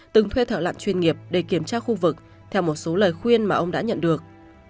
từng thuê thợ lặn chuyên nghiệp để kiểm tra khu vực theo một số lời khuyên mà ông đã nhận được